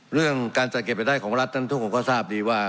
เรื่องการจัดเก็บรายได้ของรัฐนั้นทุกคนก็ทราบดีว่า